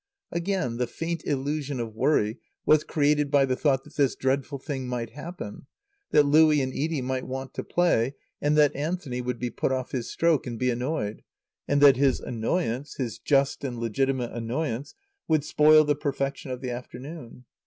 Again, the faint illusion of worry was created by the thought that this dreadful thing might happen, that Louie and Edie might want to play and that Anthony would be put off his stroke and be annoyed, and that his annoyance, his just and legitimate annoyance, would spoil the perfection of the afternoon.